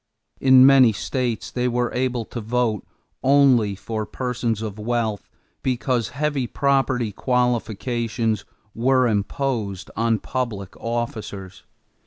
In many states they were able to vote only for persons of wealth because heavy property qualifications were imposed on public officers.